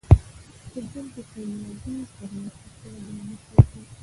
په ژوند کې کامیابي ترلاسه کړه دا موخه وټاکه.